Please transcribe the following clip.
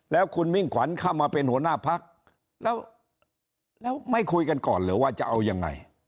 แล้วคุณมิ่งขวัญเข้ามาเป็นหัวหน้าพักแล้วแล้วไม่คุยกันก่อนเหรอว่าจะเอายังไง